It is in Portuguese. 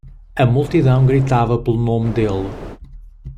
A multidão gritava pelo nome dele.